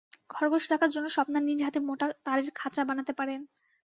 খরগোশ রাখার জন্য স্বপ্না নিজ হাতে মোটা তারের খাঁচা বানাতে পারেন।